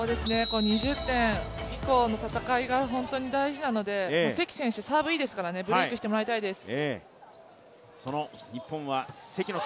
２０点以降の戦いが本当に大事なので、関選手、サーブがいいですからブレイクしてもらいたいです。